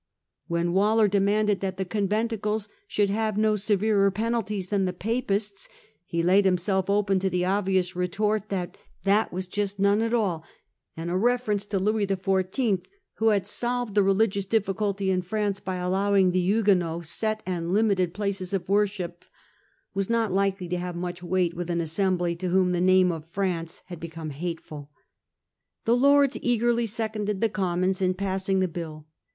When Waller demanded that the conventiclcrs should have no severer penalties than the Papists, he laid himself open to the obvious retort that that was just none at all ; and a reference to Louis XIV., who had solved the religious difficulty in France by allowing the Huguenots set and limited places of worship, was not likely to have much weight with an assembly to whom the name of France had become hateful. The Lords eagerly seconded the Commons in passing the bill.